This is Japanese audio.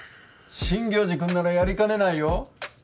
真行寺君ならやりかねないよ？